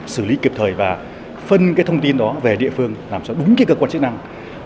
xử lý kịp thời và phân thông tin đó về địa phương làm cho đúng cơ quan chức năng